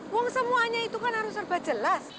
uang semuanya itu kan harus mbak jelas